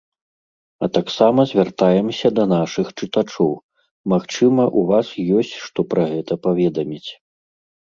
А таксама звяртаемся да нашых чытачоў, магчыма, у вас ёсць што пра гэта паведаміць.